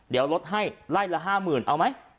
เดี๋ยวลดไห้ไล่ละห้ามืนเอาไหม